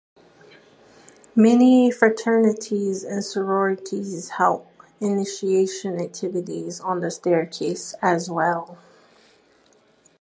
Many fraternities and sororities held initiation activities on the staircase as well.